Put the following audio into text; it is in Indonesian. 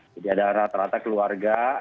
jadi ada rata rata keluarga